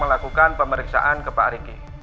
melakukan pemeriksaan ke pak riki